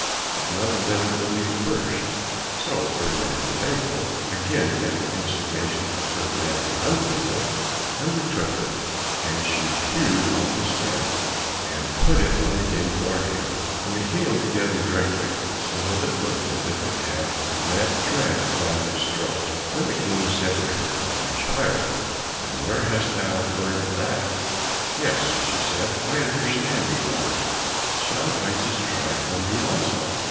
But none of them would be the first, so Ferdinand the Faithful, again at the instigation of Ferdinand the Unfaithful, undertook it and she hewed off his head, and put it on again for him, and it healed together directly, so that it looked as if he had a red thread round his throat. Then the King said to her, "My child, and where hast thou learnt that?" "Yes," she said, "I understand the art; shall I just try it on thee also?"